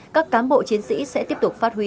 các cán bộ chiến sĩ sẽ tiếp tục phát huy